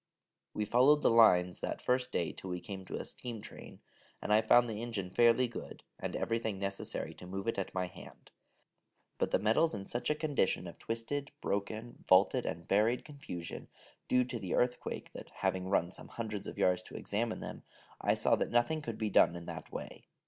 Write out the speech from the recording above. We followed the lines that first day till we came to a steam train, and I found the engine fairly good, and everything necessary to move it at my hand: but the metals in such a condition of twisted, broken, vaulted, and buried confusion, due to the earthquake, that, having run some hundreds of yards to examine them, I saw that nothing could be done in that way.